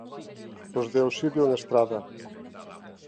Os de auxilio en estrada.